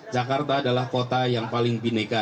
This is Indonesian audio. jakarta adalah kota yang paling bineka